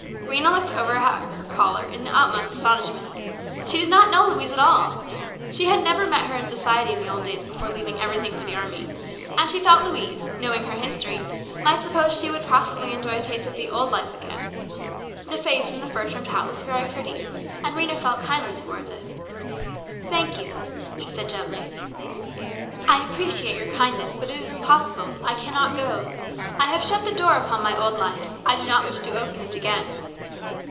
Rhena looked over at her caller in the utmost astonishment. She did not know Louise at all. She had never met her in society in the old days before leaving everything for the army, and she thought Louise, knowing her history, might suppose she would possibly enjoy a taste of the old life again. The face in the fur trimmed hat looked very pretty, and Rhena felt kindly towards it. " Thank you," she answered gently. " I appre ciate your kindness, but it is impossible ; I cannot go. I have shut the door upon my old life. I do not wish to open it again."